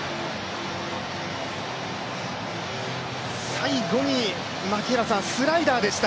最後にスライダーでした。